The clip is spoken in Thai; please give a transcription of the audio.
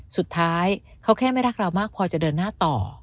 สุดท้ายเขาแค่ไม่รักเรามากพอจะเดินหน้าต่อ